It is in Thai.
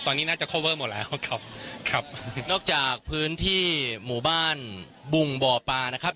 ตอนนี้น่าจะโคเวอร์หมดแล้วครับครับนอกจากพื้นที่หมู่บ้านบุงบ่อปลานะครับ